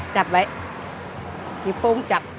จับไว้หยิบปุ้งจับ